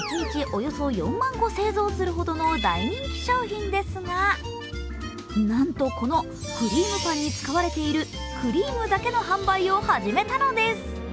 およそ４万個製造するほどの大人気商品ですがなんと、このくりーむパンに使われているクリームだけの販売を始めたのです。